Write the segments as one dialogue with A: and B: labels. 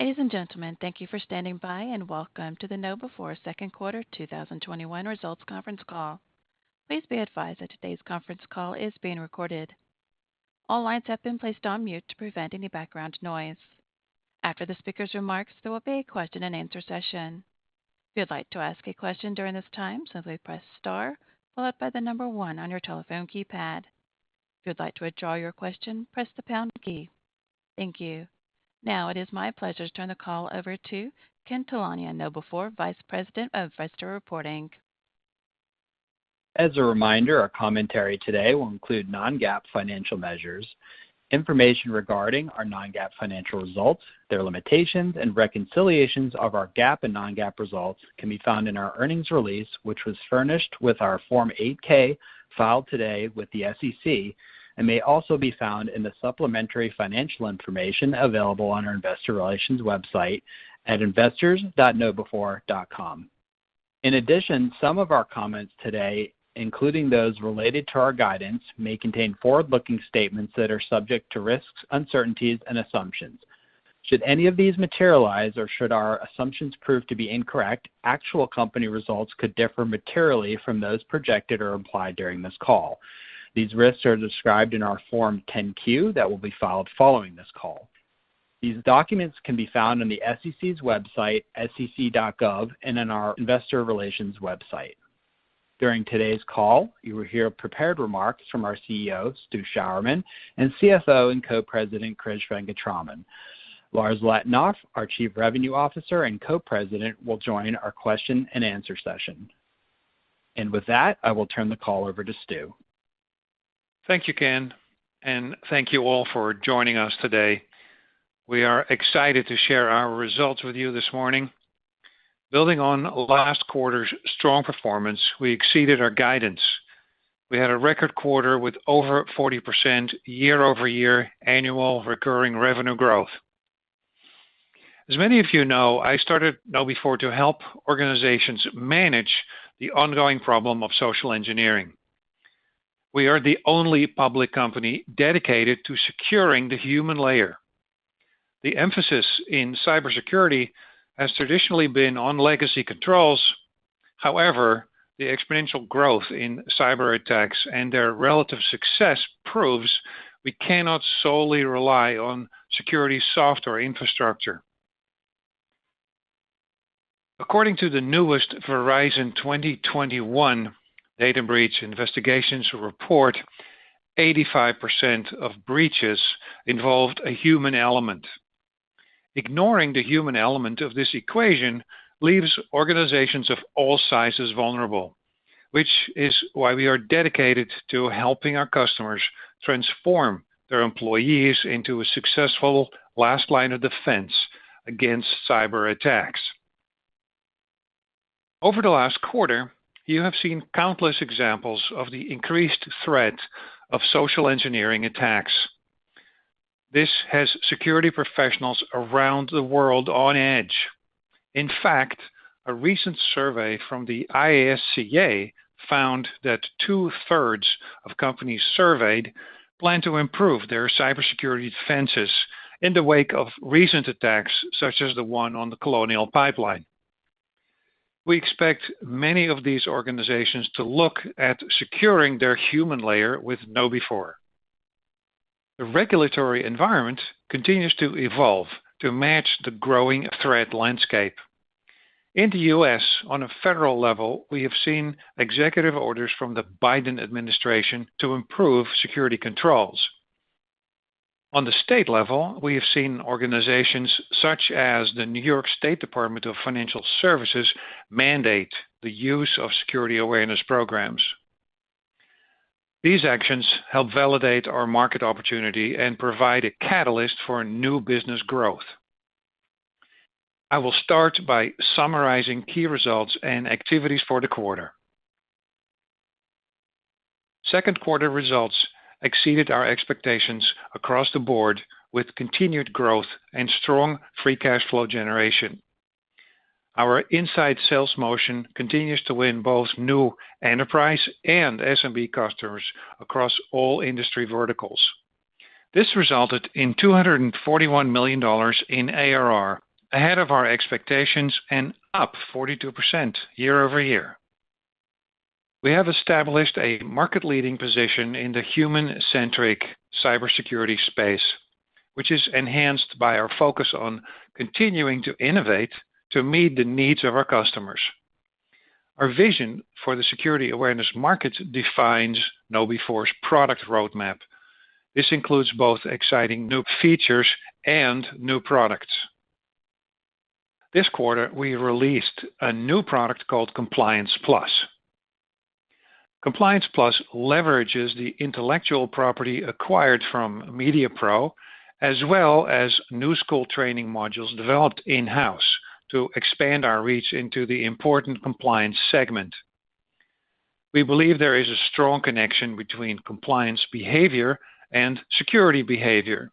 A: Ladies and Gentlemen, thank you for standing by and welcome to the KnowBe4 Second Quarter 2021 Results Conference Call. Please be advised that today's conference call is being recorded. All lines have been placed on mute to prevent any background noise. After the speaker's remarks, there will be a question and answer session. If you'd like to ask a question during this time, simply press star, followed by the number one on your telephone keypad. If you'd like to withdraw your question, press the pound key. Thank you. Now it is my pleasure to turn the call over to Ken Talanian, KnowBe4 Vice President of Investor Reporting.
B: As a reminder, our commentary today will include non-GAAP financial measures. Information regarding our non-GAAP financial results, their limitations, and reconciliations of our GAAP and non-GAAP results can be found in our earnings release, which was furnished with our Form 8-K filed today with the SEC, and may also be found in the supplementary financial information available on our investor relations website at investors.knowbe4.com. In addition, some of our comments today, including those related to our guidance, may contain forward-looking statements that are subject to risks, uncertainties, and assumptions. Should any of these materialize or should our assumptions prove to be incorrect, actual company results could differ materially from those projected or implied during this call. These risks are described in our Form 10-Q that will be filed following this call. These documents can be found on the SEC's website, sec.gov, and on our investor relations website. During today's call, you will hear prepared remarks from our CEO, Stu Sjouwerman, and CFO and Co-President, Krish Venkataraman. Lars Letonoff, our Chief Revenue Officer and Co-President, will join our question and answer session. With that, I will turn the call over to Stu.
C: Thank you, Ken, and thank you all for joining us today. We are excited to share our results with you this morning. Building on last quarter's strong performance, we exceeded our guidance. We had a record quarter with over 40% year-over-year annual recurring revenue growth. As many of you know, I started KnowBe4 to help organizations manage the ongoing problem of social engineering. We are the only public company dedicated to securing the human layer. The emphasis in cybersecurity has traditionally been on legacy controls. However, the exponential growth in cyberattacks and their relative success proves we cannot solely rely on security software infrastructure. According to the newest Verizon 2021 Data Breach Investigations Report, 85% of breaches involved a human element. Ignoring the human element of this equation leaves organizations of all sizes vulnerable, which is why we are dedicated to helping our customers transform their employees into a successful last line of defense against cyberattacks. Over the last quarter, you have seen countless examples of the increased threat of social engineering attacks. This has security professionals around the world on edge. In fact, a recent survey from the ISC2 found that two-thirds of companies surveyed plan to improve their cybersecurity defenses in the wake of recent attacks, such as the one on the Colonial Pipeline. We expect many of these organizations to look at securing their human layer with KnowBe4. The regulatory environment continues to evolve to match the growing threat landscape. In the U.S., on a federal level, we have seen executive orders from the Biden administration to improve security controls. On the state level, we have seen organizations such as the New York State Department of Financial Services mandate the use of security awareness programs. These actions help validate our market opportunity and provide a catalyst for new business growth. I will start by summarizing key results and activities for the quarter. Second quarter results exceeded our expectations across the board, with continued growth and strong free cash flow generation. Our inside sales motion continues to win both new enterprise and SMB customers across all industry verticals. This resulted in $241 million in ARR, ahead of our expectations and up 42% year-over-year. We have established a market-leading position in the human-centric cybersecurity space, which is enhanced by our focus on continuing to innovate to meet the needs of our customers. Our vision for the security awareness market defines KnowBe4's product roadmap. This includes both exciting new features and new products. This quarter, we released a new product called Compliance Plus. Compliance Plus leverages the intellectual property acquired from MediaPRO, as well as new school training modules developed in-house to expand our reach into the important compliance segment. We believe there is a strong connection between compliance behavior and security behavior.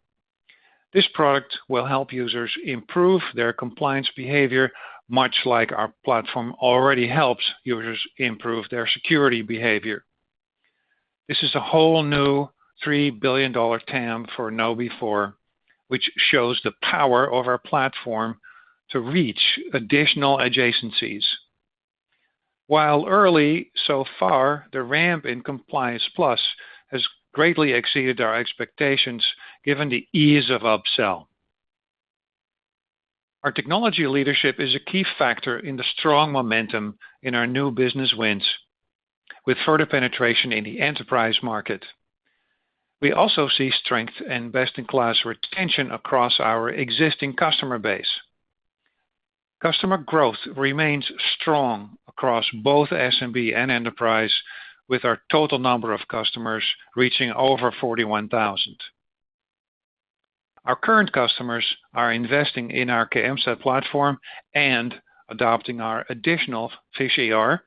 C: This product will help users improve their compliance behavior, much like our platform already helps users improve their security behavior. This is a whole new $3 billion TAM for KnowBe4, which shows the power of our platform to reach additional adjacencies. While early, so far, the ramp in Compliance Plus has greatly exceeded our expectations given the ease of upsell. Our technology leadership is a key factor in the strong momentum in our new business wins, with further penetration in the enterprise market. We also see strength and best-in-class retention across our existing customer base. Customer growth remains strong across both SMB and enterprise, with our total number of customers reaching over 41,000. Our current customers are investing in our KMSAT platform and adopting our additional PhishER,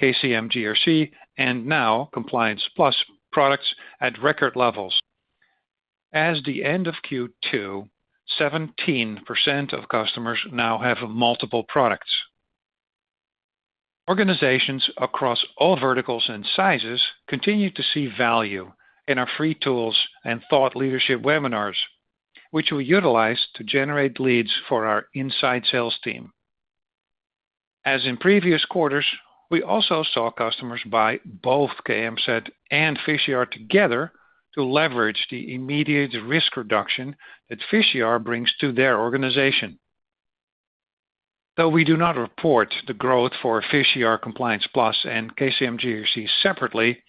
C: KCM GRC, and now Compliance Plus products at record levels. As the end of Q2, 17% of customers now have multiple products. Organizations across all verticals and sizes continue to see value in our free tools and thought leadership webinars, which we utilize to generate leads for our inside sales team. As in previous quarters, we also saw customers buy both KMSAT and PhishER together to leverage the immediate risk reduction that PhishER brings to their organization. Though we do not report the growth for PhishER, Compliance Plus, and KCM GRC separately,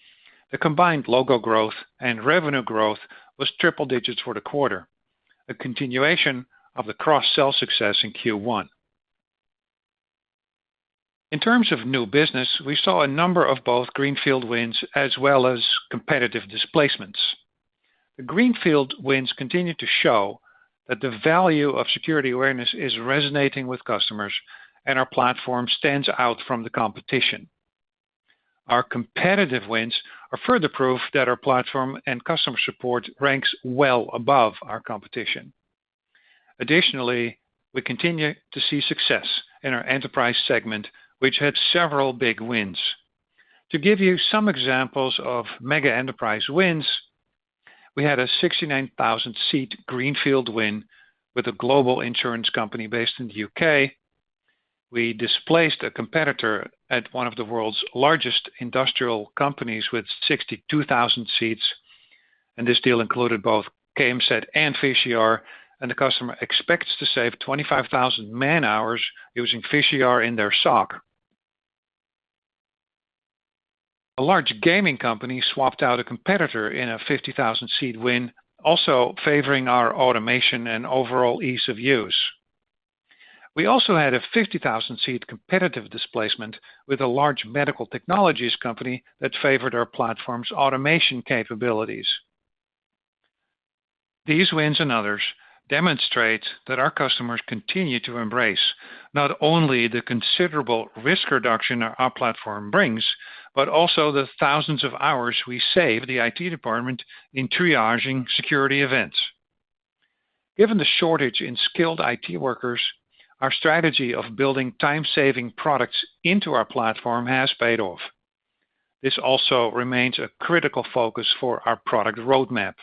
C: the combined logo growth and revenue growth was triple digits for the quarter, a continuation of the cross-sell success in Q1. In terms of new business, we saw a number of both greenfield wins as well as competitive displacements. The greenfield wins continue to show that the value of security awareness is resonating with customers, and our platform stands out from the competition. Our competitive wins are further proof that our platform and customer support ranks well above our competition. Additionally, we continue to see success in our enterprise segment, which had several big wins. To give you some examples of mega enterprise wins, we had a 69,000-seat greenfield win with a global insurance company based in the U.K. We displaced a competitor at one of the world's largest industrial companies with 62,000 seats, and this deal included both KMSAT and PhishER, and the customer expects to save 25,000 man-hours using PhishER in their SOC. A large gaming company swapped out a competitor in a 50,000-seat win, also favoring our automation and overall ease of use. We also had a 50,000-seat competitive displacement with a large medical technologies company that favored our platform's automation capabilities. These wins and others demonstrate that our customers continue to embrace not only the considerable risk reduction our platform brings, but also the thousands of hours we save the IT department in triaging security events. Given the shortage in skilled IT workers, our strategy of building time-saving products into our platform has paid off. This also remains a critical focus for our product roadmap.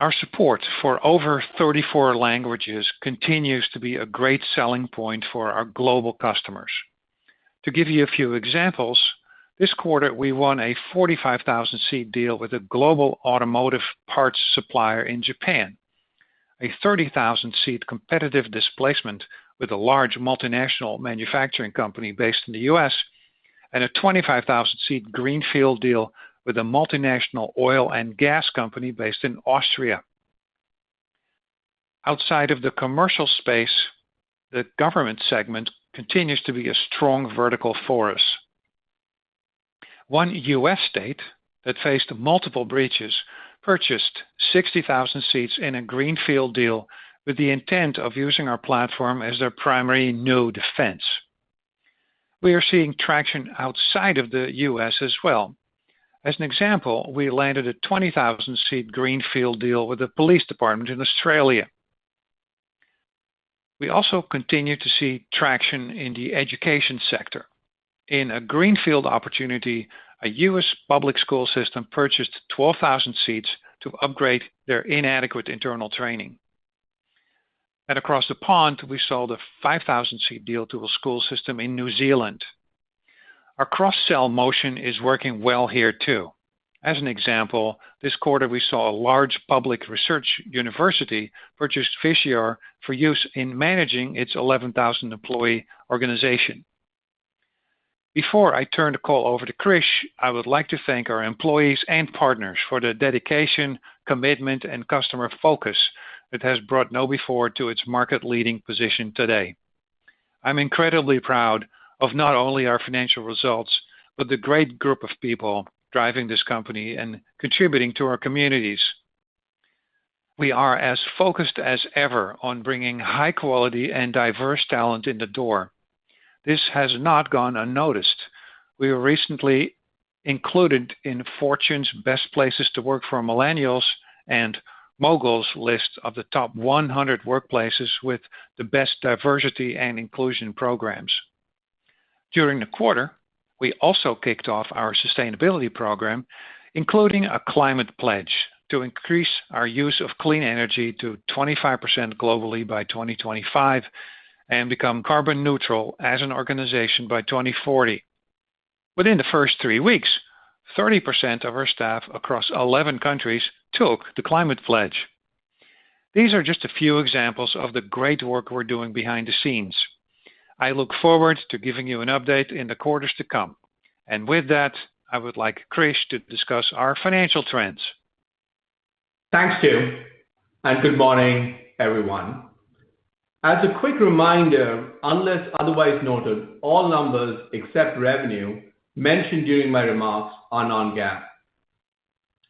C: Our support for over 34 languages continues to be a great selling point for our global customers. To give you a few examples, this quarter, we won a 45,000-seat deal with a global automotive parts supplier in Japan, a 30,000-seat competitive displacement with a large multinational manufacturing company based in the U.S., and a 25,000-seat greenfield deal with a multinational oil and gas company based in Austria. Outside of the commercial space, the government segment continues to be a strong vertical for us. One U.S. state that faced multiple breaches purchased 60,000 seats in a greenfield deal with the intent of using our platform as their primary [node defense]. We are seeing traction outside of the U.S. as well. As an example, we landed a 20,000-seat greenfield deal with a police department in Australia. We also continue to see traction in the education sector. In a greenfield opportunity, a U.S. public school system purchased 12,000 seats to upgrade their inadequate internal training. Across the pond, we sold a 5,000-seat deal to a school system in New Zealand. Our cross-sell motion is working well here, too. As an example, this quarter, we saw a large public research university purchase PhishER for use in managing its 11,000-employee organization. Before I turn the call over to Krish, I would like to thank our employees and partners for their dedication, commitment, and customer focus that has brought KnowBe4 to its market-leading position today. I'm incredibly proud of not only our financial results, but the great group of people driving this company and contributing to our communities. We are as focused as ever on bringing high-quality and diverse talent in the door. This has not gone unnoticed. We were recently included in Fortune's Best Places to Work for Millennials and Mogul's list of the top 100 workplaces with the best diversity and inclusion programs. During the quarter, we also kicked off our sustainability program, including a Climate Pledge to increase our use of clean energy to 25% globally by 2025 and become carbon neutral as an organization by 2040. Within the first three weeks, 30% of our staff across 11 countries took the Climate Pledge. These are just a few examples of the great work we're doing behind the scenes. I look forward to giving you an update in the quarters to come. With that, I would like Krish to discuss our financial trends.
D: Thanks, Stu, and good morning, everyone. As a quick reminder, unless otherwise noted, all numbers except revenue mentioned during my remarks are non-GAAP.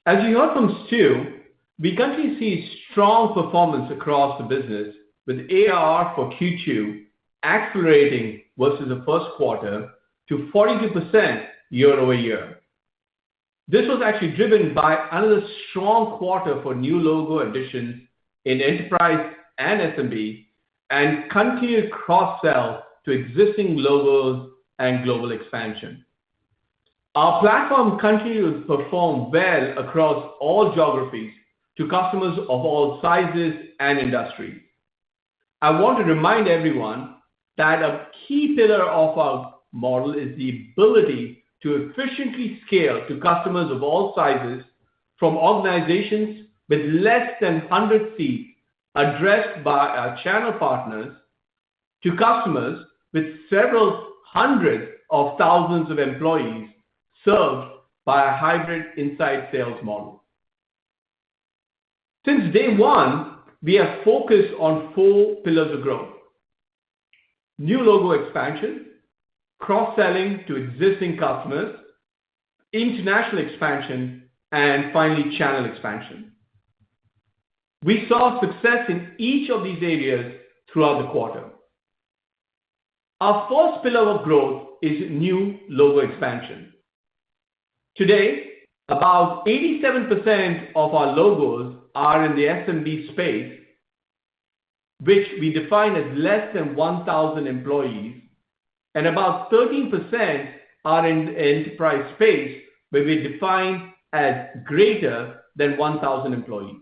D: As you heard from Stu, we continue to see strong performance across the business with ARR for Q2 accelerating versus the first quarter to 42% year-over-year. This was actually driven by another strong quarter for new logo additions in enterprise and SMB, and continued cross-sell to existing logos and global expansion. Our platform continues to perform well across all geographies to customers of all sizes and industries. I want to remind everyone that a key pillar of our model is the ability to efficiently scale to customers of all sizes, from organizations with less than 100 seats addressed by our channel partners, to customers with several hundreds of thousands of employees served by a hybrid inside sales model. Since day one, we are focused on four pillars of growth: new logo expansion, cross-selling to existing customers, international expansion, and finally, channel expansion. We saw success in each of these areas throughout the quarter. Our first pillar of growth is new logo expansion. Today, about 87% of our logos are in the SMB space, which we define as less than 1,000 employees, and about 13% are in the enterprise space, where we define as greater than 1,000 employees.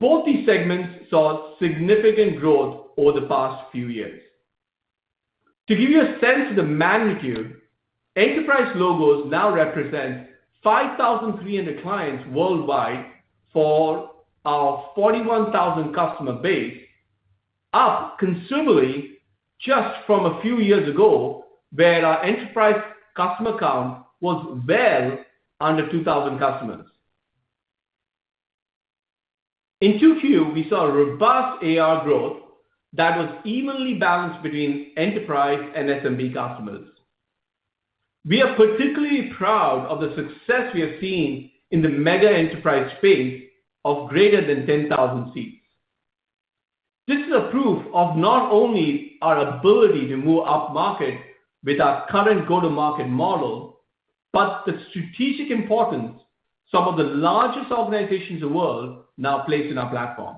D: Both these segments saw significant growth over the past few years. To give you a sense of the magnitude, enterprise logos now represent 5,300 clients worldwide for our 41,000 customer base, up considerably just from a few years ago, where our enterprise customer count was well under 2,000 customers. In Q2, we saw a robust ARR growth that was evenly balanced between enterprise and SMB customers. We are particularly proud of the success we have seen in the mega enterprise space of greater than 10,000 seats. This is a proof of not only our ability to move upmarket with our current go-to-market model, but the strategic importance some of the largest organizations in the world now place in our platform.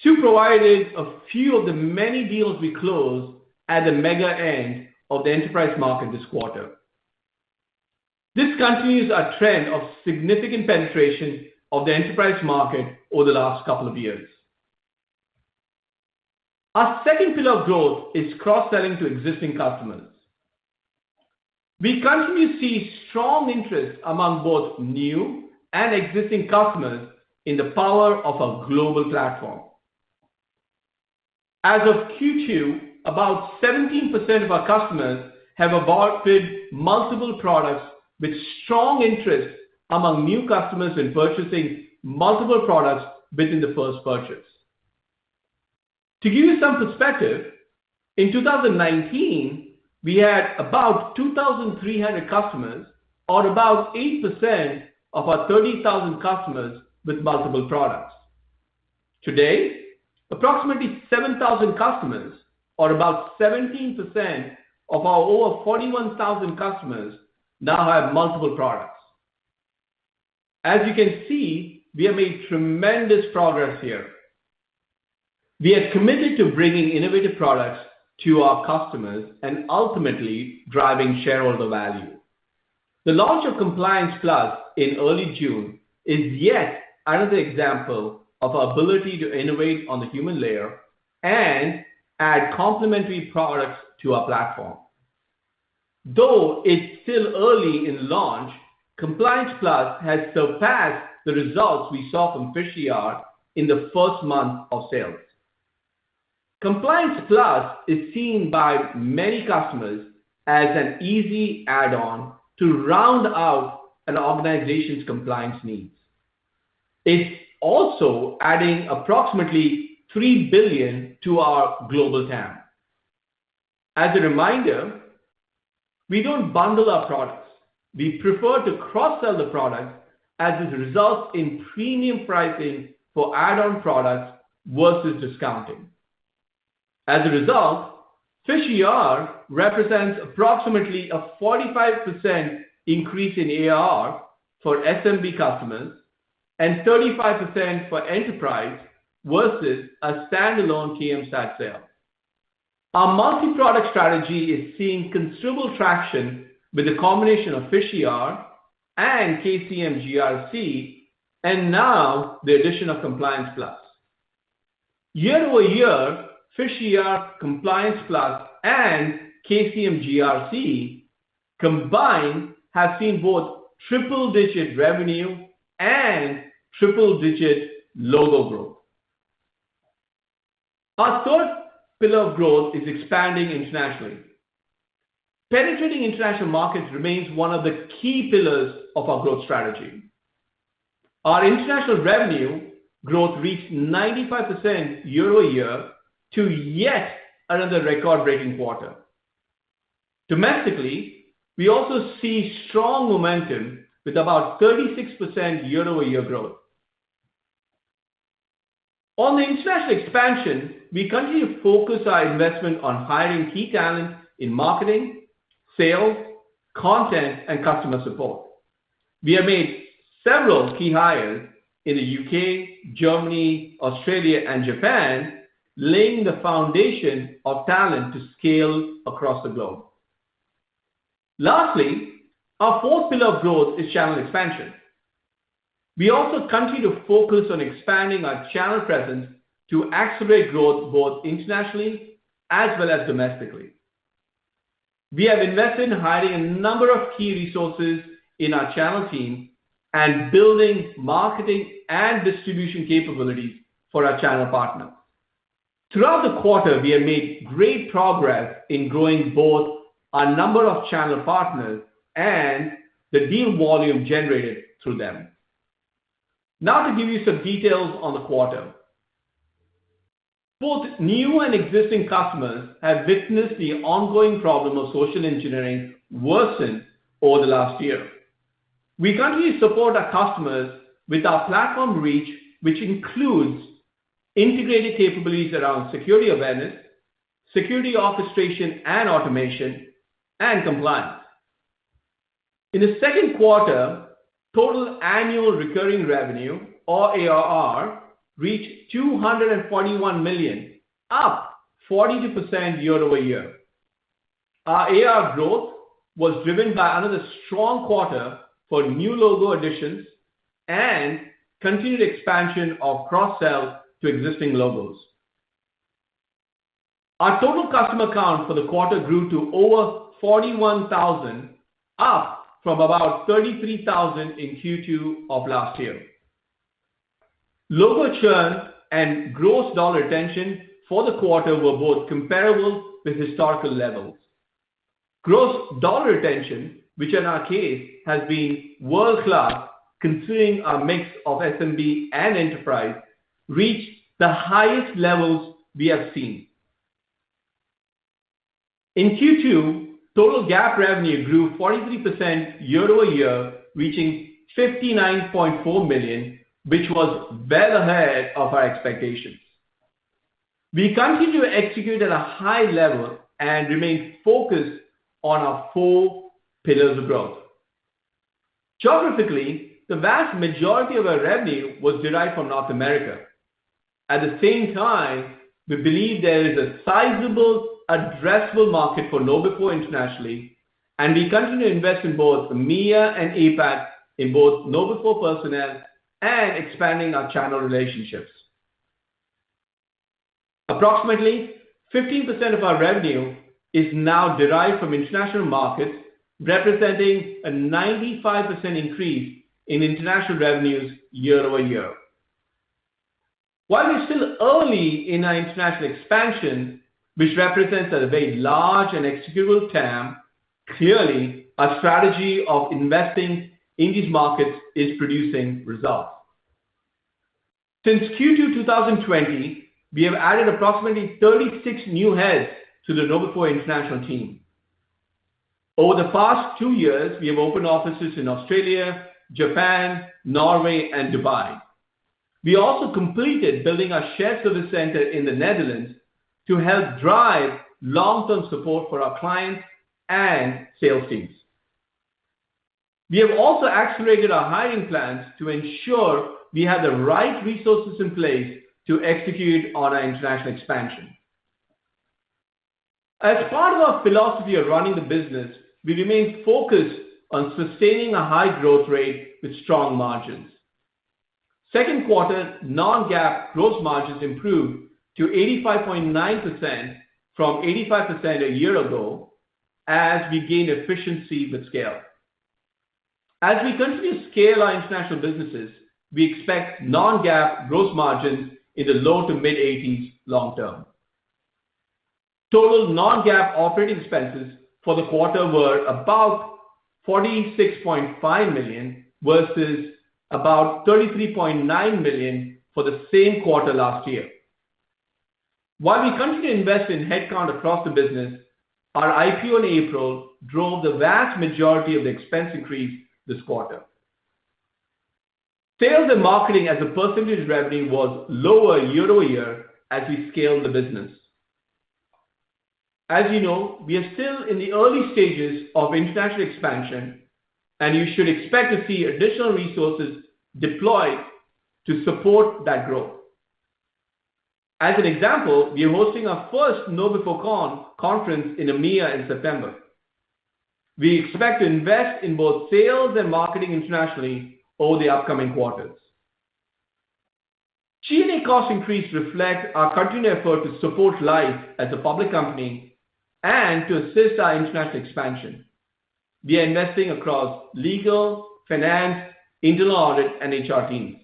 D: Stu provided a few of the many deals we closed at the mega end of the enterprise market this quarter. This continues our trend of significant penetration of the enterprise market over the last couple of years. Our second pillar of growth is cross-selling to existing customers. We continue to see strong interest among both new and existing customers in the power of our global platform. As of Q2, about 17% of our customers have bought multiple products with strong interest among new customers in purchasing multiple products within the first purchase. To give you some perspective, in 2019, we had about 2,300 customers or about 8% of our 30,000 customers with multiple products. Today, approximately 7,000 customers or about 17% of our over 41,000 customers now have multiple products. As you can see, we have made tremendous progress here. We are committed to bringing innovative products to our customers and ultimately driving shareholder value. The launch of Compliance Plus in early June is yet another example of our ability to innovate on the human layer and add complementary products to our platform. Though it's still early in launch, Compliance Plus has surpassed the results we saw from PhishER in the first month of sales. Compliance Plus is seen by many customers as an easy add-on to round out an organization's compliance needs. It's also adding approximately $3 billion to our global TAM. As a reminder, we don't bundle our products. We prefer to cross-sell the products as it results in premium pricing for add-on products versus discounting. As a result, PhishER represents approximately a 45% increase in ARR for SMB customers and 35% for enterprise versus a standalone KMSAT sale. Our multi-product strategy is seeing consumable traction with the combination of PhishER and KCM GRC, and now the addition of Compliance Plus. Year-over-year, PhishER, Compliance Plus, and KCM GRC combined have seen both triple-digit revenue and triple-digit logo growth. Our third pillar of growth is expanding internationally. Penetrating international markets remains one of the key pillars of our growth strategy. Our international revenue growth reached 95% year-over-year to yet another record-breaking quarter. Domestically, we also see strong momentum with about 36% year-over-year growth. On the international expansion, we continue to focus our investment on hiring key talent in marketing, sales, content, and customer support. We have made several key hires in the U.K., Germany, Australia, and Japan, laying the foundation of talent to scale across the globe. Lastly, our fourth pillar of growth is channel expansion. We also continue to focus on expanding our channel presence to accelerate growth both internationally as well as domestically. We have invested in hiring a number of key resources in our channel team and building marketing and distribution capabilities for our channel partners. Throughout the quarter, we have made great progress in growing both our number of channel partners and the deal volume generated through them. Now to give you some details on the quarter. Both new and existing customers have witnessed the ongoing problem of social engineering worsen over the last year. We currently support our customers with our platform reach, which includes integrated capabilities around security awareness, security orchestration and automation, and compliance. In the second quarter, total annual recurring revenue or ARR reached $241 million, up 42% year-over-year. Our ARR growth was driven by another strong quarter for new logo additions and continued expansion of cross-sell to existing logos. Our total customer count for the quarter grew to over 41,000, up from about 33,000 in Q2 of last year. Logo churn and gross dollar retention for the quarter were both comparable with historical levels. Gross dollar retention, which in our case has been world-class considering our mix of SMB and enterprise, reached the highest levels we have seen. In Q2, total GAAP revenue grew 43% year-over-year, reaching $59.4 million, which was well ahead of our expectations. We continue to execute at a high level and remain focused on our four pillars of growth. Geographically, the vast majority of our revenue was derived from North America. At the same time, we believe there is a sizable addressable market for KnowBe4 internationally, and we continue to invest in both EMEA and APAC in both KnowBe4 personnel and expanding our channel relationships. Approximately 15% of our revenue is now derived from international markets, representing a 95% increase in international revenues year-over-year. While we're still early in our international expansion, which represents a very large and executable TAM, clearly a strategy of investing in these markets is producing results. Since Q2 2020, we have added approximately 36 new heads to the KnowBe4 international team. Over the past two years, we have opened offices in Australia, Japan, Norway, and Dubai. We also completed building a shared service center in the Netherlands to help drive long-term support for our clients and sales teams. We have also accelerated our hiring plans to ensure we have the right resources in place to execute on our international expansion. As part of our philosophy of running the business, we remain focused on sustaining a high growth rate with strong margins. Second quarter non-GAAP gross margins improved to 85.9% from 85% a year ago as we gained efficiency with scale. As we continue to scale our international businesses, we expect non-GAAP gross margins in the low to mid-80s long term. Total non-GAAP operating expenses for the quarter were about $46.5 million versus about $33.9 million for the same quarter last year. While we continue to invest in headcount across the business, our IPO in April drove the vast majority of the expense increase this quarter. Sales and marketing as a percentage of revenue was lower year-over-year as we scaled the business. You know, we are still in the early stages of international expansion, and you should expect to see additional resources deployed to support that growth. An example, we are hosting our first KB4-CON conference in EMEA in September. We expect to invest in both sales and marketing internationally over the upcoming quarters. G&A costs increase reflect our continued effort to support life as a public company and to assist our international expansion. We are investing across legal, finance, internal audit, and HR teams.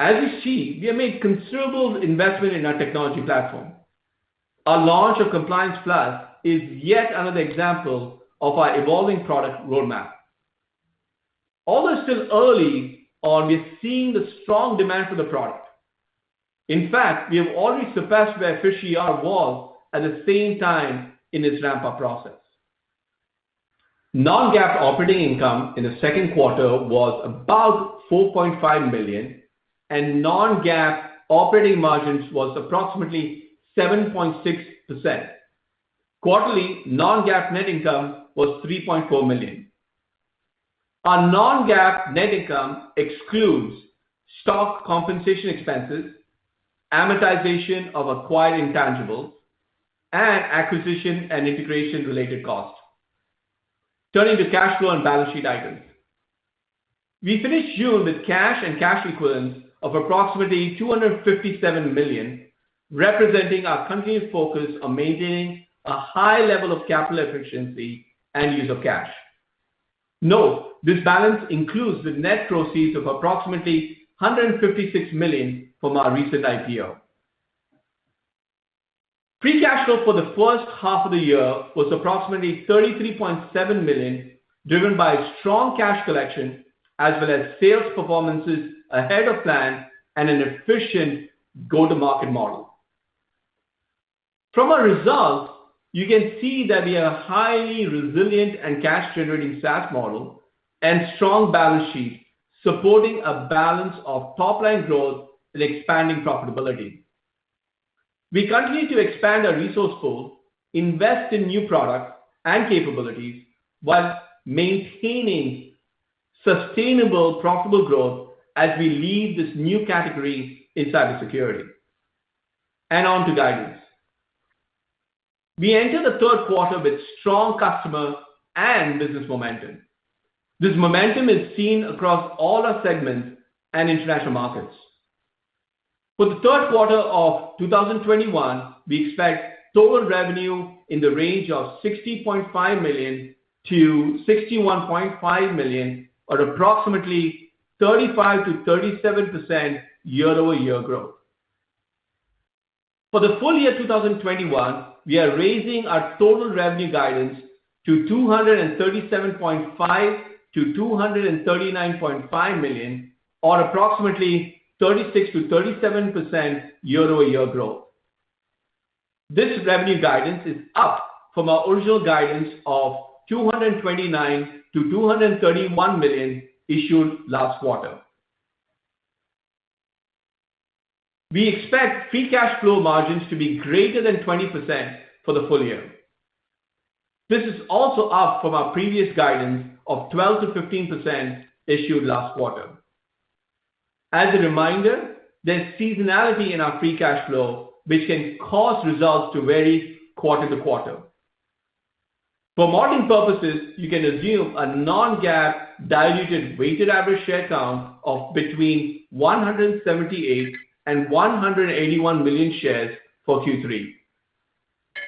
D: You see, we have made considerable investment in our technology platform. Our launch of Compliance Plus is yet another example of our evolving product roadmap. Still early on, we are seeing the strong demand for the product. In fact, we have already surpassed where PhishER was at the same time in its ramp-up process. Non-GAAP operating income in the second quarter was about $4.5 million, and non-GAAP operating margins was approximately 7.6%. Quarterly non-GAAP net income was $3.4 million. Our non-GAAP net income excludes stock compensation expenses, amortization of acquired intangibles, and acquisition and integration-related costs. Turning to cash flow and balance sheet items. We finished June with cash and cash equivalents of approximately $257 million, representing our continued focus on maintaining a high level of capital efficiency and use of cash. Note, this balance includes the net proceeds of approximately $156 million from our recent IPO. Free cash flow for the first half of the year was approximately $33.7 million, driven by strong cash collection as well as sales performances ahead of plan and an efficient go-to-market model. From our results, you can see that we are a highly resilient and cash-generating SaaS model and strong balance sheet, supporting a balance of top-line growth and expanding profitability. We continue to expand our resource pool, invest in new products and capabilities, while maintaining sustainable profitable growth as we lead this new category in cybersecurity. On to guidance. We enter the third quarter with strong customer and business momentum. This momentum is seen across all our segments and international markets. For the third quarter of 2021, we expect total revenue in the range of $60.5 million-$61.5 million or approximately 35%-37% year-over-year growth. For the full year 2021, we are raising our total revenue guidance to $237.5 million-$239.5 million or approximately 36%-37% year-over-year growth. This revenue guidance is up from our original guidance of $229 million-$231 million issued last quarter. We expect Free Cash Flow margins to be greater than 20% for the full year. This is also up from our previous guidance of 12%-15% issued last quarter. As a reminder, there's seasonality in our Free Cash Flow, which can cause results to vary quarter-to-quarter. For modeling purposes, you can assume a non-GAAP diluted weighted average share count of between 178 and 181 million shares for Q3.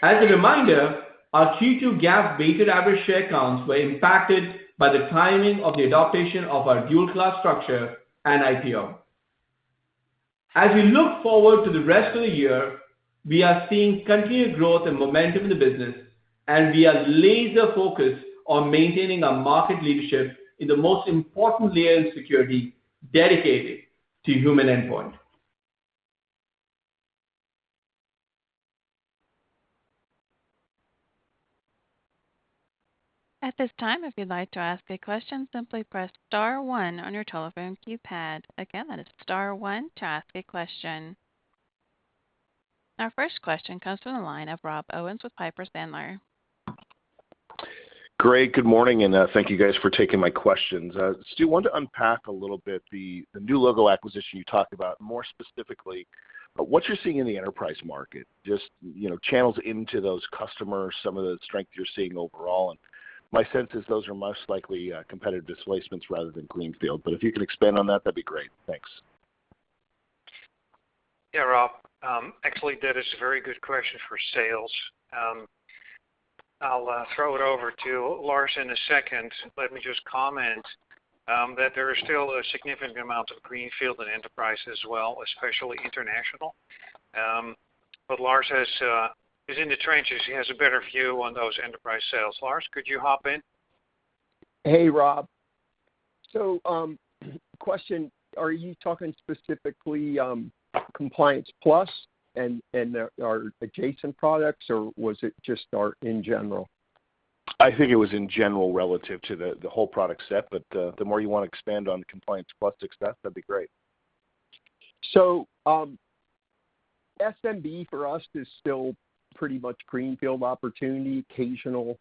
D: As a reminder, our Q2 GAAP weighted average share counts were impacted by the timing of the adoption of our dual-class structure and IPO. As we look forward to the rest of the year, we are seeing continued growth and momentum in the business, and we are laser focused on maintaining our market leadership in the most important layer in security dedicated to human endpoint.
A: At this time, if you'd like to ask a question, simply press star one on your telephone keypad. Again, that is star one to ask a question. Our first question comes from the line of Rob Owens with Piper Sandler.
E: Great. Good morning. Thank you guys for taking my questions. Stu, I want to unpack a little bit the new logo acquisition you talked about, more specifically what you're seeing in the enterprise market, just channels into those customers, some of the strength you're seeing overall, and my sense is those are most likely competitive displacements rather than greenfield. If you could expand on that'd be great. Thanks.
C: Yeah, Rob. Actually, that is a very good question for sales. I'll throw it over to Lars in a second. Let me just comment that there is still a significant amount of greenfield and enterprise as well, especially international. Lars is in the trenches. He has a better view on those enterprise sales. Lars, could you hop in?
F: Hey, Rob. question, are you talking specifically Compliance Plus and our adjacent products, or was it just our in general?
E: I think it was in general relative to the whole product set, but the more you want to expand on the Compliance Plus aspect, that'd be great.
F: SMB for us is still pretty much greenfield opportunity, occasional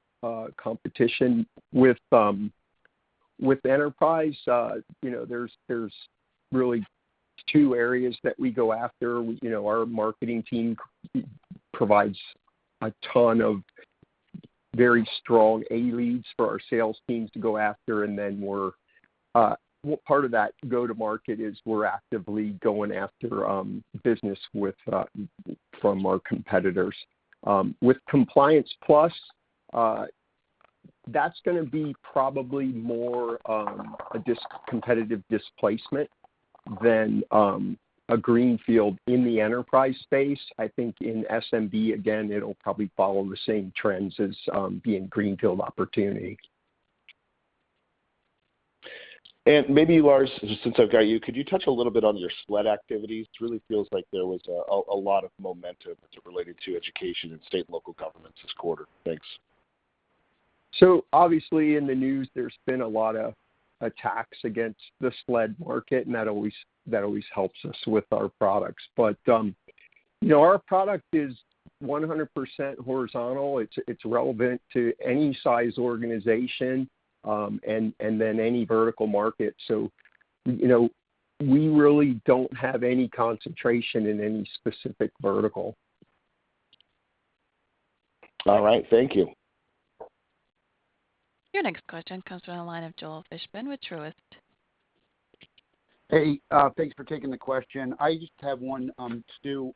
F: competition with enterprise. There's really two areas that we go after. Our marketing team provides a ton of very strong A-leads for our sales teams to go after, and then part of that go-to-market is we're actively going after business from our competitors. With Compliance Plus, that's going to be probably more a competitive displacement than a greenfield in the enterprise space. I think in SMB, again, it'll probably follow the same trends as being greenfield opportunity.
E: Maybe Lars, just since I've got you, could you touch a little bit on your SLED activities? It really feels like there was a lot of momentum related to education and state and local governments this quarter. Thanks.
F: Obviously in the news there's been a lot of attacks against the SLED market, and that always helps us with our products. Our product is 100% horizontal. It's relevant to any size organization, and then any vertical market. We really don't have any concentration in any specific vertical.
E: All right. Thank you.
A: Your next question comes from the line of Joel Fishbein with Truist.
G: Hey, thanks for taking the question. I just have one, Stu,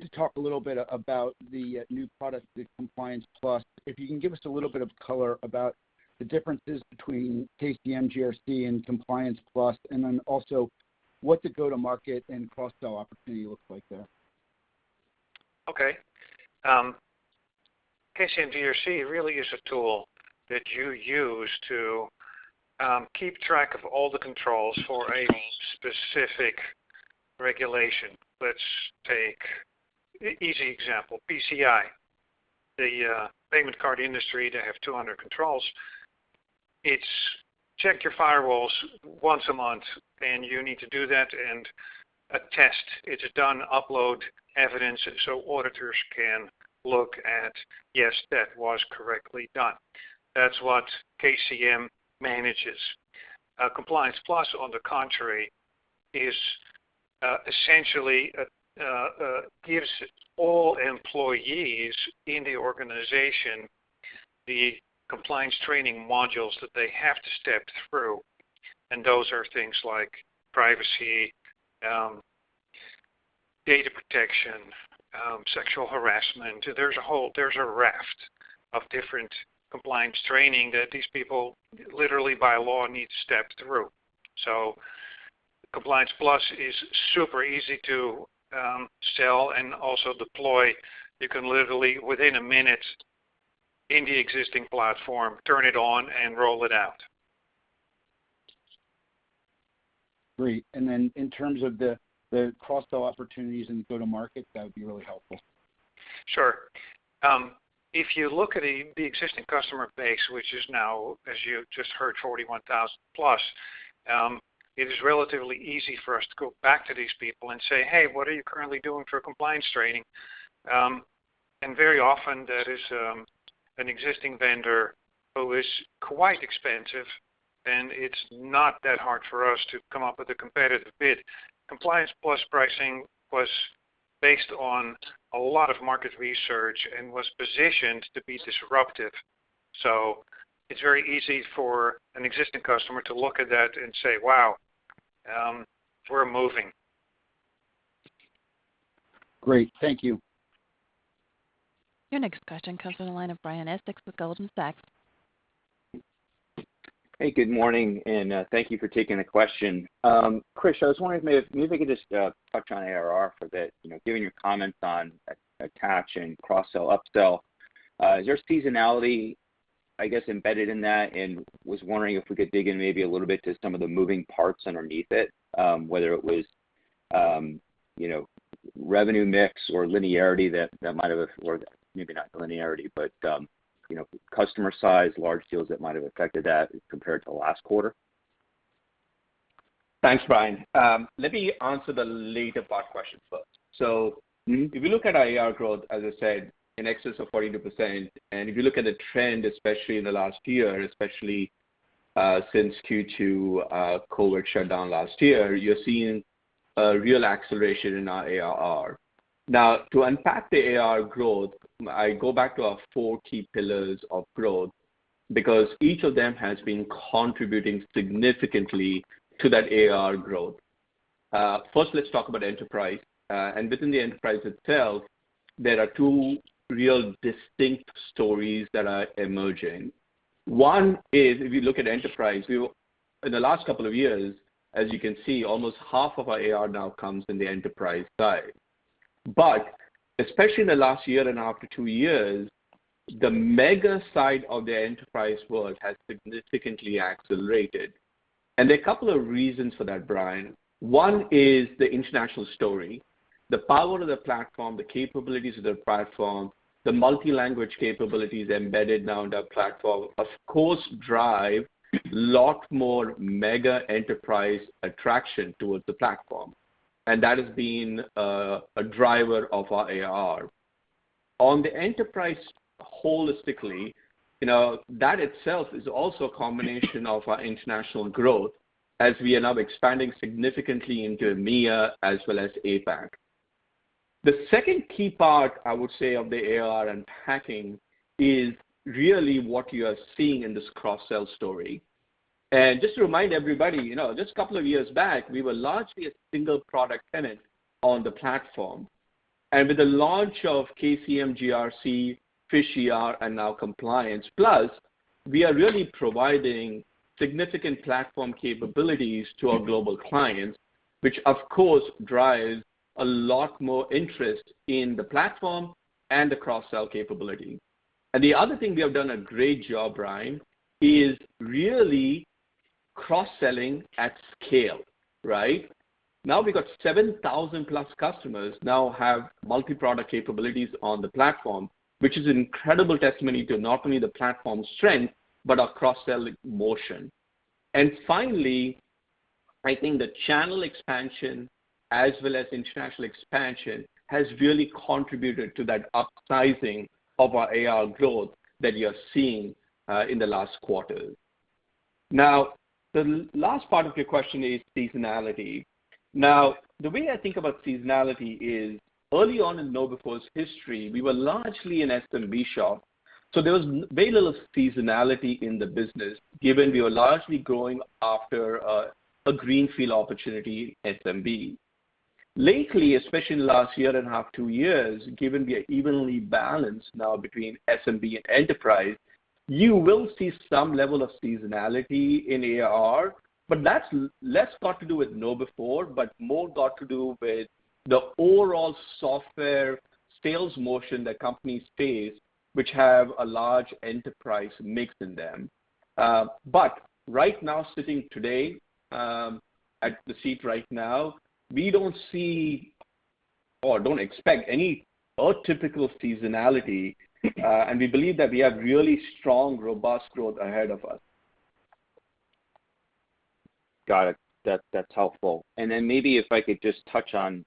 G: to talk a little bit about the new product, the Compliance Plus. If you can give us a little bit of color about the differences between KCM GRC and Compliance Plus, then also what the go-to-market and cross-sell opportunity looks like there.
C: Okay. KCM GRC really is a tool that you use to keep track of all the controls for a specific regulation. Let's take easy example, PCI, the Payment Card Industry, they have 200 controls. It's check your firewalls once a month, and you need to do that and test it's done, upload evidence so auditors can look at, "Yes, that was correctly done." That's what KCM manages. Compliance Plus, on the contrary, essentially gives all employees in the organization the compliance training modules that they have to step through. Those are things like privacy, data protection, sexual harassment. There's a raft of different compliance training that these people literally by law need to step through. Compliance Plus is super easy to sell and also deploy. You can literally within a minute, in the existing platform, turn it on and roll it out.
G: Great, in terms of the cross-sell opportunities and go-to-market, that would be really helpful.
C: Sure. If you look at the existing customer base, which is now, as you just heard, 41,000-plus, it is relatively easy for us to go back to these people and say, "Hey, what are you currently doing for compliance training?" Very often that is an existing vendor who is quite expensive, and it's not that hard for us to come up with a competitive bid. Compliance Plus pricing was based on a lot of market research and was positioned to be disruptive. It's very easy for an existing customer to look at that and say, "Wow, we're moving.
G: Great. Thank you.
A: Your next question comes from the line of Brian Essex with Goldman Sachs.
H: Hey, good morning, and thank you for taking the question. Krish, I was wondering if maybe we could just touch on ARR for a bit, given your comments on attach and cross-sell/upsell. Is there a seasonality, I guess, embedded in that? Was wondering if we could dig in maybe a little bit to some of the moving parts underneath it, whether it was revenue mix or linearity that might have or, maybe not linearity, but customer size, large deals that might have affected that compared to last quarter?
D: Thanks, Brian. Let me answer the later part question first. If you look at our ARR growth, as I said, in excess of 42%, and if you look at the trend, especially in the last year, especially since Q2 COVID shutdown last year, you're seeing a real acceleration in our ARR. To unpack the ARR growth, I go back to our four key pillars of growth because each of them has been contributing significantly to that ARR growth. Let's talk about enterprise. Within the enterprise itself, there are two real distinct stories that are emerging. One is, if you look at enterprise, in the last couple of years, as you can see, almost half of our ARR now comes in the enterprise side. Especially in the last year and after two years, the mega side of the enterprise world has significantly accelerated. There are a couple of reasons for that, Brian. One is the international story. The power of the platform, the capabilities of the platform, the multi-language capabilities embedded now in the platform, of course, drive a lot more mega enterprise attraction towards the platform. That has been a driver of our ARR. On the enterprise holistically, that itself is also a combination of our international growth as we are now expanding significantly into EMEA as well as APAC. The second key part, I would say, of the ARR unpacking is really what you are seeing in this cross-sell story. Just to remind everybody, just a couple of years back, we were largely a single product tenant on the platform. With the launch of KCM GRC, PhishER, and now Compliance Plus, we are really providing significant platform capabilities to our global clients, which of course drives a lot more interest in the platform and the cross-sell capability. The other thing we have done a great job, Brian, is really cross-selling at scale. Right? Now we got 7,000-plus customers now have multi-product capabilities on the platform, which is an incredible testimony to not only the platform's strength, but our cross-sell motion. Finally, I think the channel expansion as well as international expansion has really contributed to that upsizing of our ARR growth that you are seeing in the last quarter. The last part of your question is seasonality. The way I think about seasonality is early on in KnowBe4's history, we were largely an SMB shop, so there was very little seasonality in the business, given we were largely going after a greenfield opportunity SMB. Lately, especially in the last year and a half, two years, given we are evenly balanced now between SMB and enterprise, you will see some level of seasonality in ARR, but that's less got to do with KnowBe4, but more got to do with the overall software sales motion that companies face, which have a large enterprise mix in them. Right now, sitting today at the seat right now, we don't see or don't expect any atypical seasonality, and we believe that we have really strong, robust growth ahead of us.
H: Got it. That's helpful. Maybe if I could just touch on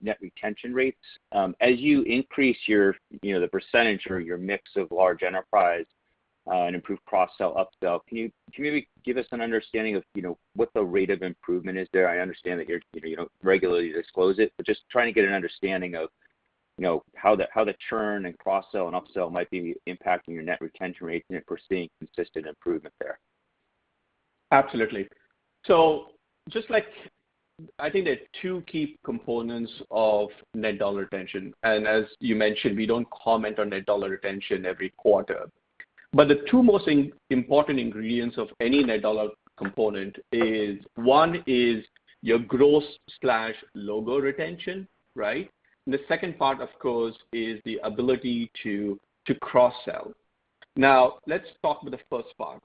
H: net retention rates. As you increase the percentage or your mix of large enterprise, and improve cross-sell, upsell, can you maybe give us an understanding of what the rate of improvement is there? I understand that you don't regularly disclose it, but just trying to get an understanding of how the churn and cross-sell and upsell might be impacting your net retention rates, and if we're seeing consistent improvement there.
D: Absolutely. I think there are two key components of net dollar retention, and as you mentioned, we don't comment on net dollar retention every quarter. The two most important ingredients of any net dollar component is, one is your gross/logo retention. Right. The second part, of course, is the ability to cross-sell. Let's talk about the first part.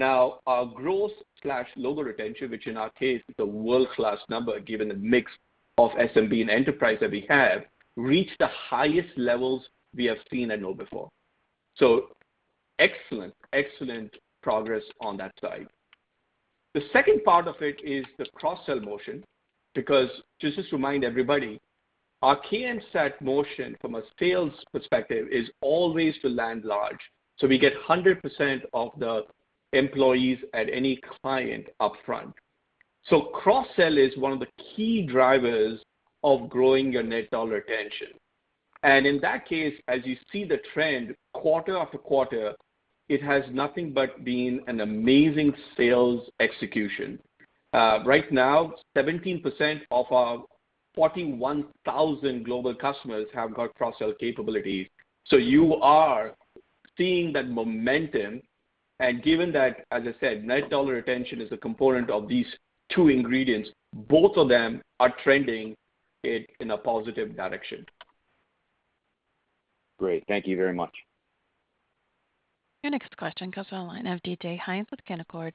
D: Our gross/logo retention, which in our case is a world-class number given the mix of SMB and enterprise that we have, reached the highest levels we have seen at KnowBe4. Excellent progress on that side. The second part of it is the cross-sell motion because, just to remind everybody, our key insight motion from a sales perspective is always to land large. We get 100% of the employees at any client up front. Cross-sell is one of the key drivers of growing your net dollar retention. In that case, as you see the trend quarter-after-quarter, it has nothing but been an amazing sales execution. Right now, 17% of our 41,000 global customers have got cross-sell capabilities. You are seeing that momentum, and given that, as I said, net dollar retention is a component of these two ingredients, both of them are trending it in a positive direction.
H: Great. Thank you very much.
A: Your next question comes on the line of DJ Hynes with Canaccord.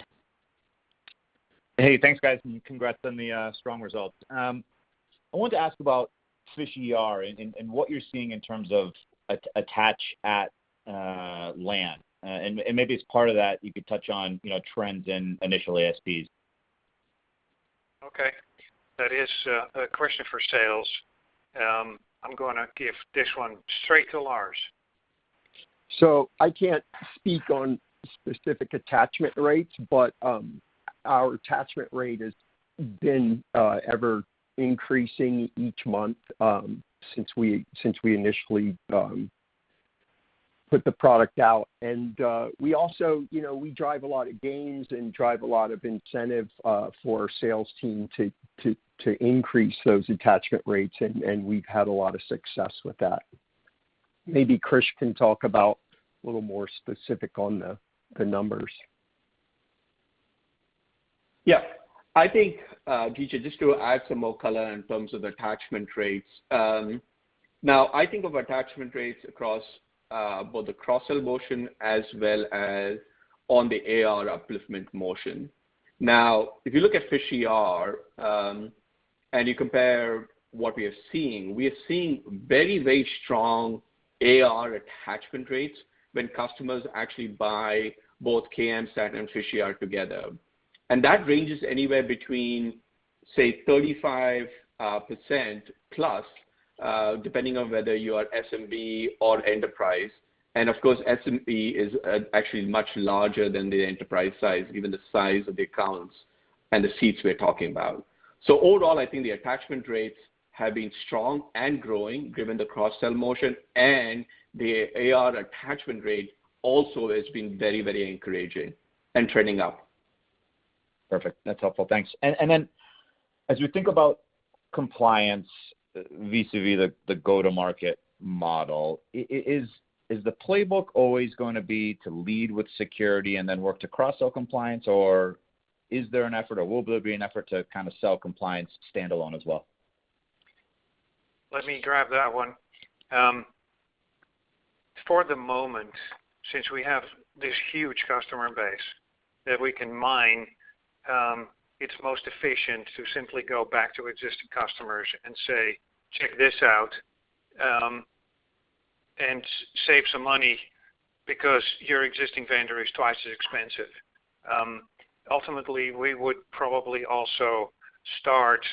I: Thanks, guys, and congrats on the strong results. I wanted to ask about PhishER and what you're seeing in terms of attach at land. Maybe as part of that, you could touch on trends in initial ASPs.
C: Okay. That is a question for sales. I'm going to give this one straight to Lars.
F: I can't speak on specific attachment rates, but our attachment rate has been ever increasing each month since we initially put the product out. We drive a lot of gains and drive a lot of incentive for our sales team to increase those attachment rates, and we've had a lot of success with that. Maybe Krish can talk about a little more specific on the numbers.
D: Yeah. I think, DJ, just to add some more color in terms of attachment rates. Now, I think of attachment rates across both the cross-sell motion as well as on the ARR upliftment motion. If you look at PhishER and you compare what we are seeing, we are seeing very, very strong ARR attachment rates when customers actually buy both KMSAT and PhishER together. That ranges anywhere between, say, 35%+ depending on whether you are SMB or enterprise. Of course, SMB is actually much larger than the enterprise size, given the size of the accounts and the seats we're talking about. Overall, I think the attachment rates have been strong and growing given the cross-sell motion and the ARR attachment rate also has been very, very encouraging and trending up.
I: Perfect. That's helpful. Thanks. Then as you think about compliance vis-a-vis the go-to-market model, is the playbook always going to be to lead with security and then work to cross-sell compliance? Or is there an effort, or will there be an effort to kind of sell compliance standalone as well?
C: Let me grab that one. For the moment, since we have this huge customer base that we can mine, it is most efficient to simply go back to existing customers and say, "Check this out, and save some money because your existing vendor is twice as expensive." Ultimately, we would probably also start,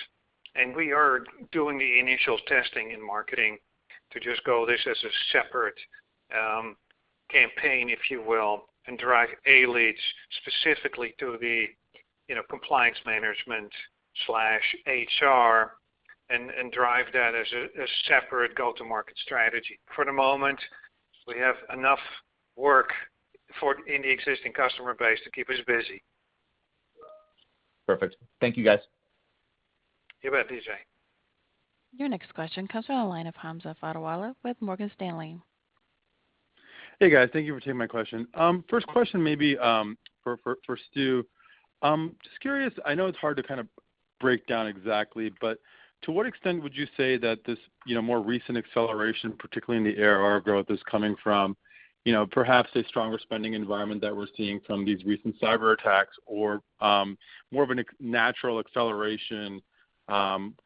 C: and we are doing the initial testing in marketing to just go this as a separate campaign, if you will, and drive A leads specifically to the compliance management/HR and drive that as a separate go-to-market strategy. For the moment, we have enough work in the existing customer base to keep us busy.
I: Perfect. Thank you, guys.
C: You bet, DJ.
A: Your next question comes on the line of Hamza Fodderwala with Morgan Stanley.
J: Hey, guys. Thank you for taking my question. First question maybe for Stu. Just curious, I know it's hard to kind of break down exactly, but to what extent would you say that this more recent acceleration, particularly in the ARR growth, is coming from perhaps a stronger spending environment that we're seeing from these recent cyber attacks? Or more of a natural acceleration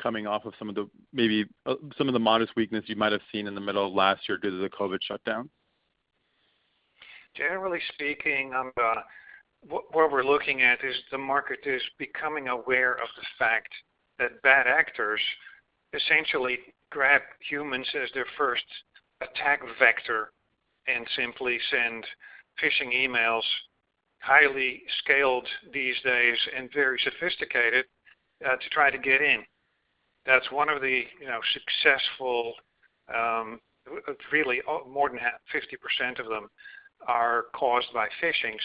J: coming off of some of the modest weakness you might have seen in the middle of last year due to the COVID shutdown?
C: Generally speaking, Hamza, what we're looking at is the market is becoming aware of the fact that bad actors essentially grab humans as their first attack vector and simply send phishing emails, highly scaled these days and very sophisticated, to try to get in. That's one of the successful Really, more than 50% of them are caused by phishing.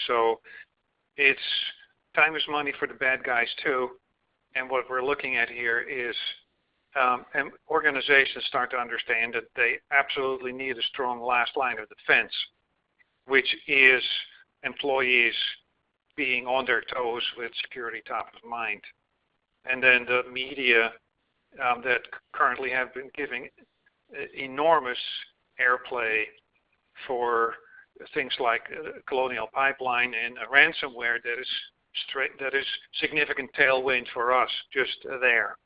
C: Time is money for the bad guys, too, and what we're looking at here is organizations start to understand that they absolutely need a strong last line of defense, which is employees being on their toes with security top of mind. The media that currently have been giving enormous airplay for things like Colonial Pipeline and ransomware, that is significant tailwind for us just there.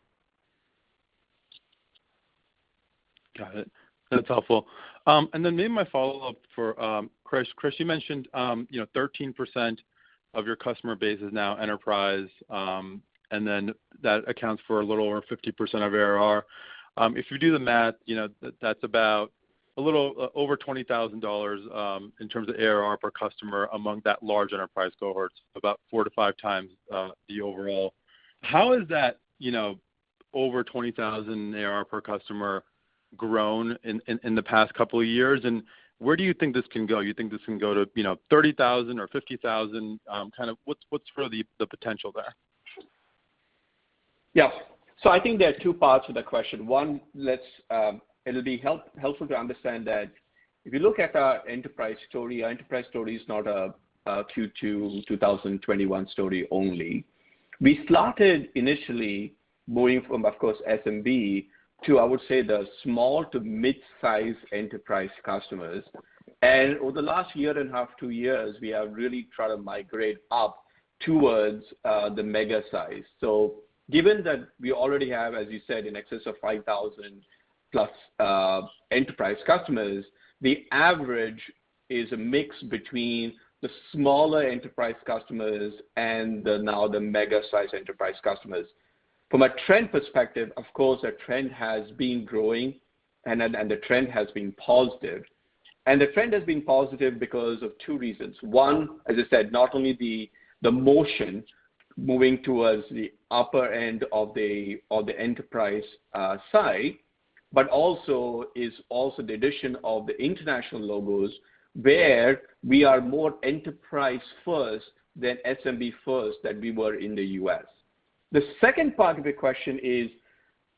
J: Got it. That's helpful. Then maybe my follow-up for Krish. Krish, you mentioned 13% of your customer base is now enterprise, and then that accounts for a little over 50% of ARR. If you do the math, that's about a little over $20,000 in terms of ARR per customer among that large enterprise cohort, about four to five times the overall. How has that over $20,000 ARR per customer grown in the past couple of years, and where do you think this can go? You think this can go to $30,000 or $50,000? What's for the potential there?
D: Yeah. I think there are two parts to that question. One, it'll be helpful to understand that if you look at our enterprise story, our enterprise story is not a Q2 2021 story only. We started initially moving from, of course, SMB to, I would say, the small to mid-size enterprise customers. Over the last year and a half, two years, we have really tried to migrate up towards the mega size. Given that we already have, as you said, in excess of 5,000+ enterprise customers, the average is a mix between the smaller enterprise customers and now the mega-size enterprise customers. From a trend perspective, of course, the trend has been growing and the trend has been positive. The trend has been positive because of two reasons. One, as I said, not only the motion moving towards the upper end of the enterprise side, but also is also the addition of the international logos where we are more enterprise first than SMB first than we were in the U.S. The second part of your question is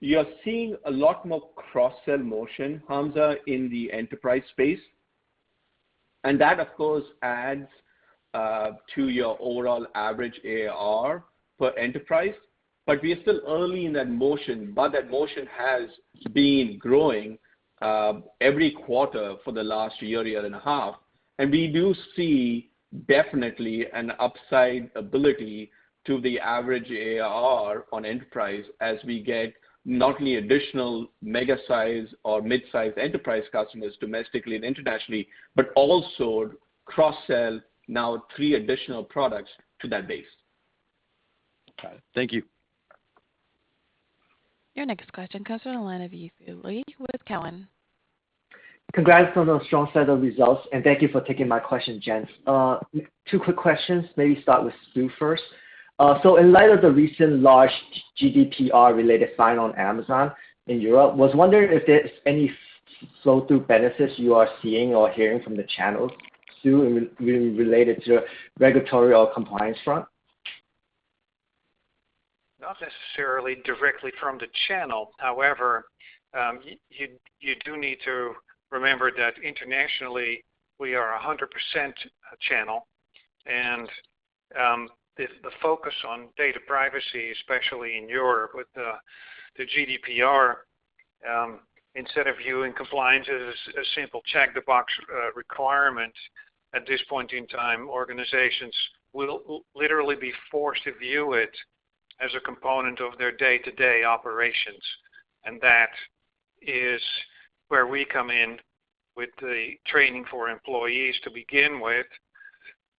D: you are seeing a lot more cross-sell motion, Hamza, in the enterprise space. That, of course, adds to your overall average ARR per enterprise. We are still early in that motion, but that motion has been growing every quarter for the last year and a half. We do see definitely an upside ability to the average ARR on enterprise as we get not only additional mega size or mid-size enterprise customers domestically and internationally, but also cross-sell now three additional products to that base.
J: Okay. Thank you.
A: Your next question comes from the line of Yi Fu Lee with Cowen.
K: Congrats on those strong set of results, and thank you for taking my question, gents. Two quick questions, maybe start with Stu first. In light of the recent large GDPR-related fine on Amazon in Europe, was wondering if there's any flow-through benefits you are seeing or hearing from the channels, Stu, related to regulatory or compliance front?
C: Not necessarily directly from the channel. However, you do need to remember that internationally, we are 100% a channel. The focus on data privacy, especially in Europe with the GDPR, instead of viewing compliance as a simple check-the-box requirement at this point in time, organizations will literally be forced to view it as a component of their day-to-day operations. That is where we come in with the training for employees to begin with,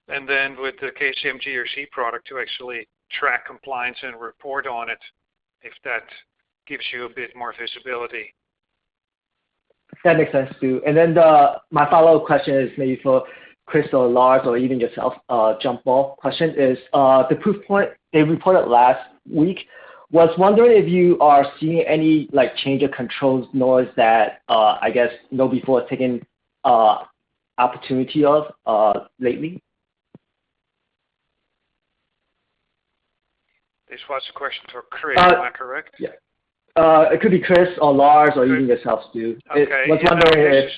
C: and then with the KCM GRC product to actually track compliance and report on it, if that gives you a bit more visibility.
K: That makes sense, Stu. My follow-up question is maybe for Krish or Lars or even yourself, jump ball question is, the Proofpoint they reported last week, was wondering if you are seeing any change of controls, noise that, I guess KnowBe4 has taken opportunity of lately?
C: This was a question for Krish, am I correct?
K: It could be Krish or Lars or even yourself, Stu.
C: Okay.
K: Was wondering.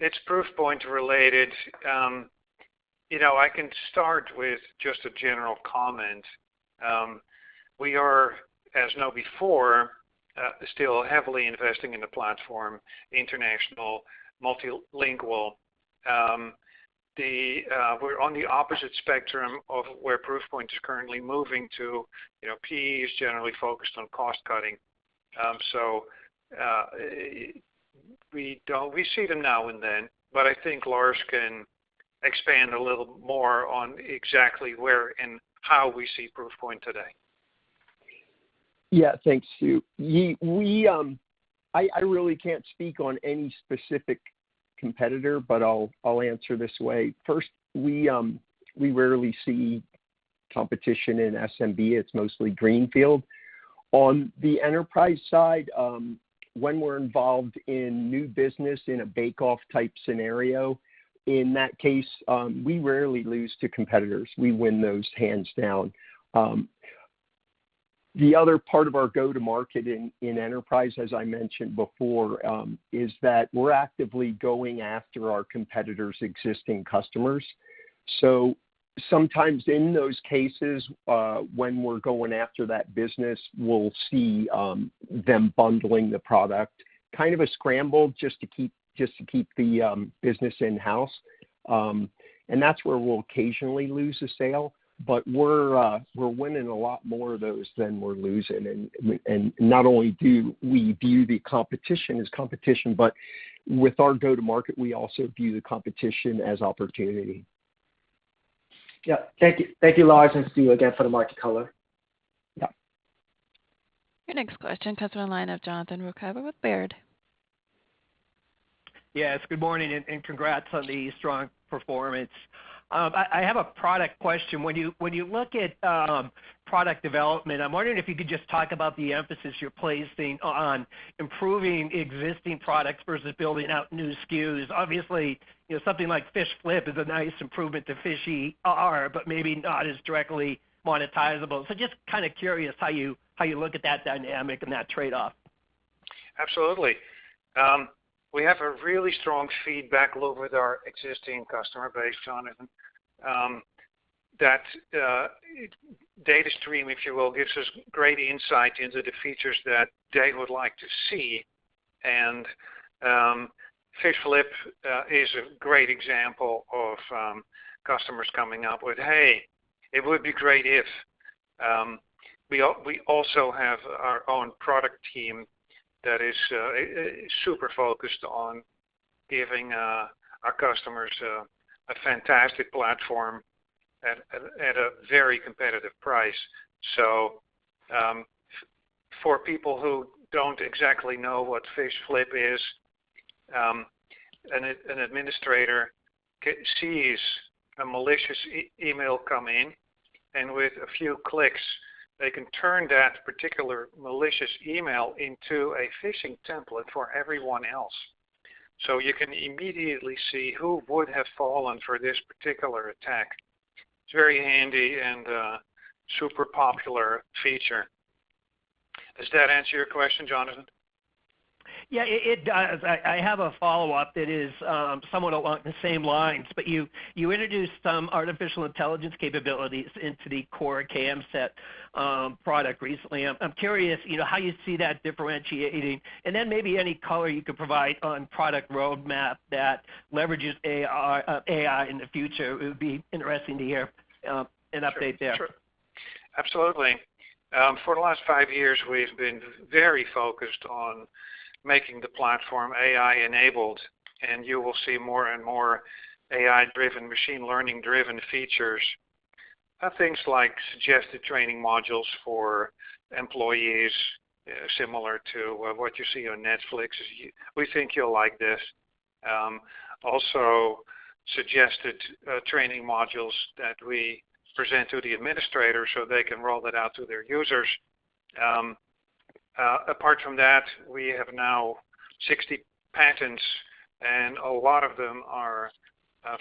C: It's Proofpoint related. I can start with just a general comment. We are, as KnowBe4, still heavily investing in the platform, international, multilingual. We're on the opposite spectrum of where Proofpoint is currently moving to. PE is generally focused on cost-cutting. We see them now and then, but I think Lars can expand a little more on exactly where and how we see Proofpoint today.
F: Yeah. Thanks, Stu. I really can't speak on any specific competitor, but I'll answer this way. First, we rarely see competition in SMB. It's mostly greenfield. On the enterprise side, when we're involved in new business in a bake-off type scenario, in that case, we rarely lose to competitors. We win those hands down. The other part of our go to market in enterprise, as I mentioned before, is that we're actively going after our competitors' existing customers. Sometimes in those cases, when we're going after that business, we'll see them bundling the product, kind of a scramble just to keep the business in-house. That's where we'll occasionally lose a sale, but we're winning a lot more of those than we're losing. Not only do we view the competition as competition, but with our go to market, we also view the competition as opportunity.
K: Yeah. Thank you, Lars and Stu, again, for the market color.
F: Yeah.
A: Your next question comes from the line of Jonathan Ruykhaver with Baird.
L: Yes. Good morning, and congrats on the strong performance. I have a product question. When you look at product development, I'm wondering if you could just talk about the emphasis you're placing on improving existing products versus building out new SKUs. Obviously, something like PhishFlip is a nice improvement to PhishER, but maybe not as directly monetizable. Just kind of curious how you look at that dynamic and that trade-off.
C: Absolutely. We have a really strong feedback loop with our existing customer base, Jonathan. That data stream, if you will, gives us great insight into the features that they would like to see. PhishFlip is a great example of customers coming up with, "Hey, it would be great if" We also have our own product team that is super focused on giving our customers a fantastic platform at a very competitive price. For people who don't exactly know what PhishFlip is, an administrator sees a malicious email come in, and with a few clicks, they can turn that particular malicious email into a phishing template for everyone else. You can immediately see who would have fallen for this particular attack. It's very handy and a super popular feature. Does that answer your question, Jonathan?
L: Yeah, it does. I have a follow-up that is somewhat along the same lines, but you introduced some artificial intelligence capabilities into the core KMSAT product recently. I'm curious how you see that differentiating and then maybe any color you could provide on product roadmap that leverages AI in the future. It would be interesting to hear an update there.
C: Sure. Absolutely. For the last five years, we've been very focused on making the platform AI-enabled. You will see more and more AI-driven, machine learning-driven features. Things like suggested training modules for employees, similar to what you see on Netflix, "We think you'll like this." Suggested training modules that we present to the administrator so they can roll that out to their users. Apart from that, we have now 60 patents, and a lot of them are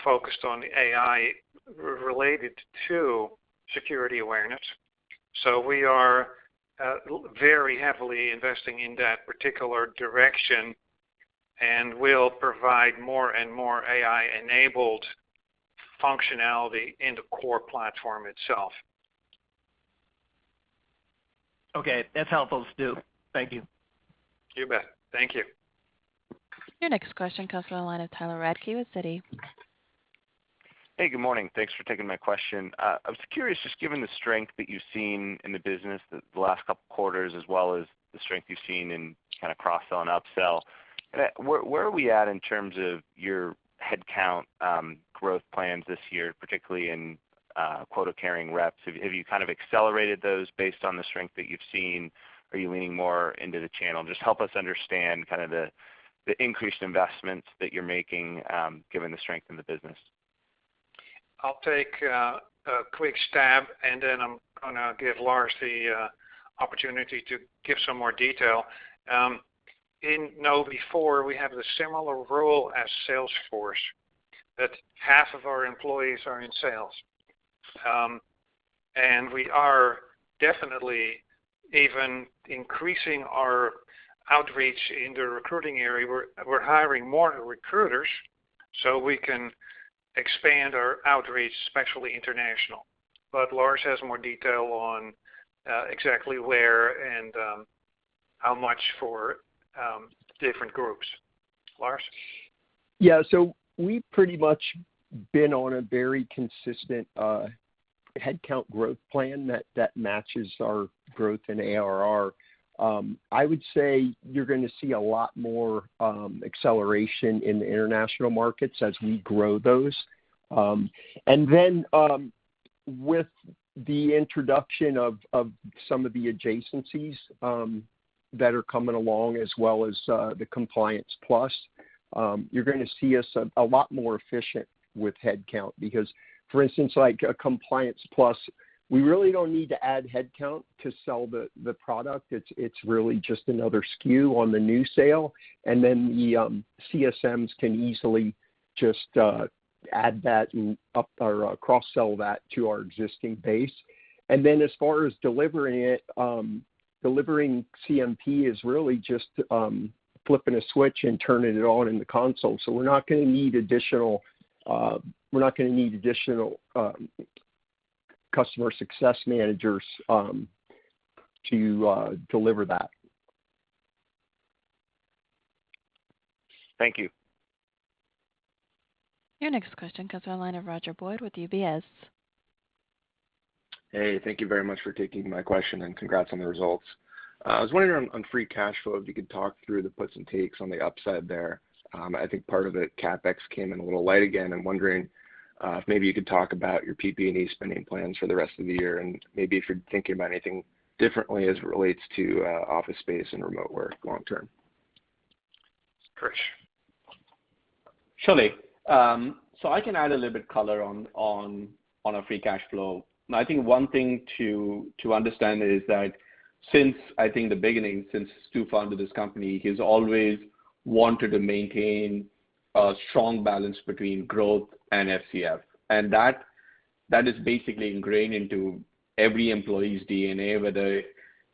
C: focused on AI related to security awareness. We are very heavily investing in that particular direction and will provide more and more AI-enabled functionality in the core platform itself.
L: Okay. That's helpful, Stu. Thank you.
C: You bet. Thank you.
A: Your next question comes from the line of Tyler Radke with Citi.
M: Hey, good morning. Thanks for taking my question. I was curious, just given the strength that you've seen in the business the last couple of quarters as well as the strength you've seen in kind of cross-sell and up-sell, where are we at in terms of your head count growth plans this year, particularly in quota-carrying reps? Have you kind of accelerated those based on the strength that you've seen? Are you leaning more into the channel? Just help us understand kind of the increased investments that you're making given the strength in the business.
C: I'll take a quick stab, and then I'm going to give Lars the opportunity to give some more detail. In KnowBe4, we have the similar role as Salesforce, that half of our employees are in sales. We are definitely even increasing our outreach in the recruiting area. We're hiring more recruiters so we can expand our outreach, especially international. Lars has more detail on exactly where and how much for different groups. Lars?
F: Yeah, so we've pretty much been on a very consistent headcount growth plan that matches our growth in ARR. I would say you're going to see a lot more acceleration in the international markets as we grow those. With the introduction of some of the adjacencies that are coming along as well as the Compliance Plus, you're going to see us a lot more efficient with headcount because for instance, like Compliance Plus, we really don't need to add headcount to sell the product. It's really just another SKU on the new sale, and then the CSMs can easily just add that up or cross-sell that to our existing base. As far as delivering it, delivering Compliance Plus is really just flipping a switch and turning it on in the console. We're not going to need additional customer success managers to deliver that.
M: Thank you.
A: Your next question comes from the line of Roger Boyd with UBS.
N: Hey, thank you very much for taking my question, and congrats on the results. I was wondering on free cash flow, if you could talk through the puts and takes on the upside there. I think part of it, CapEx came in a little light again. I'm wondering if maybe you could talk about your PP&E spending plans for the rest of the year and maybe if you're thinking about anything differently as it relates to office space and remote work long term.
C: Krish?
D: Surely. I can add a little bit color on our free cash flow. I think one thing to understand is that since, I think the beginning, since Stu founded this company, he's always wanted to maintain a strong balance between growth and FCF. That is basically ingrained into every employee's DNA, whether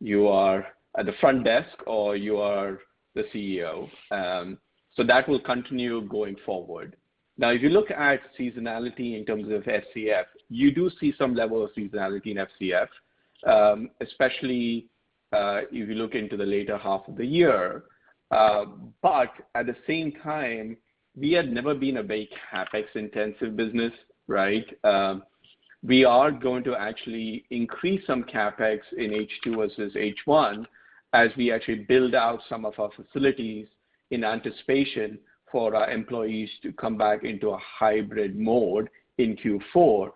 D: you are at the front desk or you are the CEO. That will continue going forward. Now, if you look at seasonality in terms of FCF, you do see some level of seasonality in FCF, especially if you look into the later half of the year. At the same time, we had never been a very CapEx-intensive business, right? We are going to actually increase some CapEx in H2 versus H1 as we actually build out some of our facilities in anticipation for our employees to come back into a hybrid mode in Q4.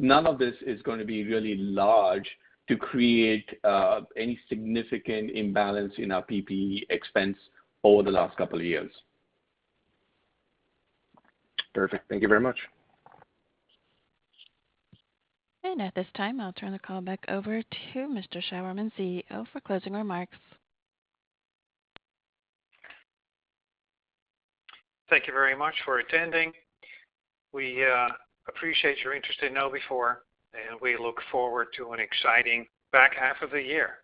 D: None of this is going to be really large to create any significant imbalance in our PP&E expense over the last couple of years.
N: Perfect. Thank you very much.
A: At this time, I'll turn the call back over to Mr. Sjouwerman, CEO, for closing remarks.
C: Thank you very much for attending. We appreciate your interest in KnowBe4, and we look forward to an exciting back half of the year.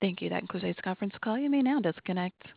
A: Thank you. That concludes this conference call. You may now disconnect.